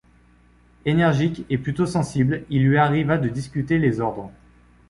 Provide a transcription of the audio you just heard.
Énergique et plutôt sensible, il lui arriva de discuter les ordres.